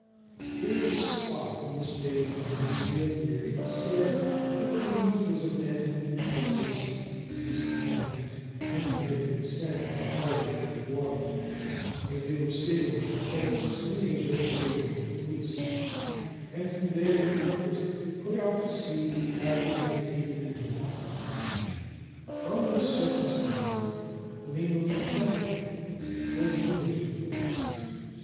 There is a spot in this bay of Magnesia where it is said Hercules was abandoned by Jason and his companions when he had been sent from the Argo for water, as they were sailing to Colchis, in Asia, for the golden fleece; and from there they purposed to put out to sea after they had taken in water. From this circumstance, the name of "Aphetæ" was given to the place.